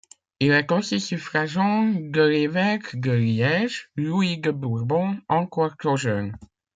Il est aussi suffragant de l'évêque de Liège, Louis de Bourbon, encore trop jeune.